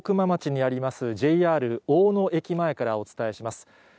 町にあります、ＪＲおおの駅前からお伝えします。